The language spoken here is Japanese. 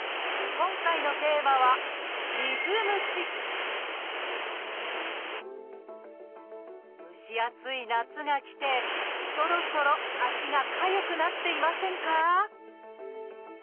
今回のテーマは蒸し暑い夏が来てそろそろ足がかゆくなっていませんか？